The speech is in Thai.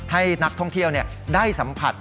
ให้นักท่องเที่ยวได้สัมผัส